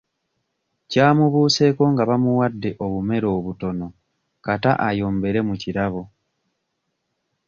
Kyamubuseeko nga bamuwadde obumere obutono kata ayombere mu kirabo.